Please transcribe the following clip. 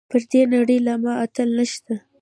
پر دې نړۍ له ما اتل نشته .